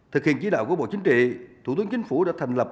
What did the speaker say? thực hiện chí đạo của bộ chính trị thủ tướng chính phủ đã thành lập